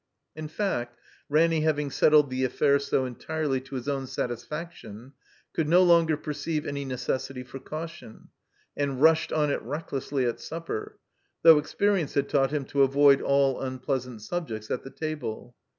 In fact, Ranny, having settled the affair so entirely to his own satisfaction, could no longer perceive any necessity for caution, and rushed on it recklessly at supper; though experience had taught him to avoid all tmpleasant subjects at the table.